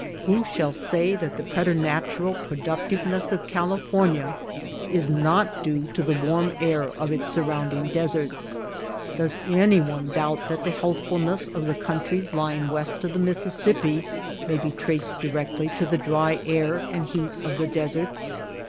Who shall say that the preternatural productiveness of California is not due to the warm air of its surrounding des erts ? Does anyone doubt that the healthful ness of the countries lying west of the Mississ ippi may be traced directly to the dry air and heat of the deserts.